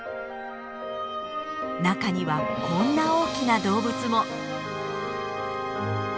中にはこんな大きな動物も。